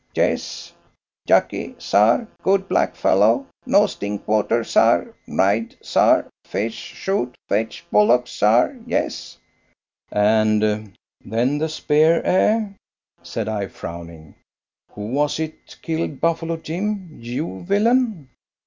yes? Jacky, sar, good black fellow, no stink water, sar, ride sar, fish, shoot, fetch bullocks, sar? yes." "And then the spear, eh?" said I, frowning, "Who was it killed Buffalo Jim, you villain?"